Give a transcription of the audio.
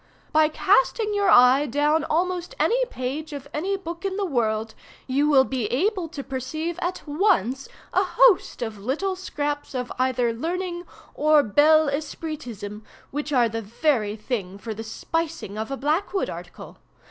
"By casting your eye down almost any page of any book in the world, you will be able to perceive at once a host of little scraps of either learning or bel esprit ism, which are the very thing for the spicing of a Blackwood article.